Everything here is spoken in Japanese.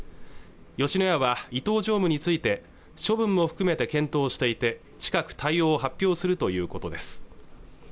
吉野家は伊東常務について処分も含めて検討していて近く対応を発表するということです